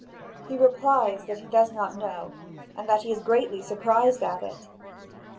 He replies that he does not know, and that he is greatly surprised at it.